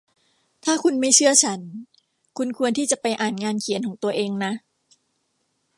ถ้าคุณไม่เชื่อฉัน คุณควรที่จะไปอ่านงานเขียนของตัวเองนะ